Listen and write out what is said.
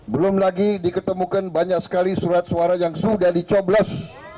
belum lagi diketemukan banyak sekali surat suara yang sudah dicoblos